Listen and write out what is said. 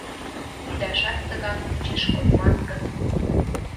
Ӱдашат тыгак почеш кодман гын